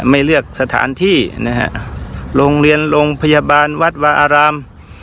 ไม่เลือกสถานที่นะฮะโรงเรียนโรงพยาบาลวัดวาอาราม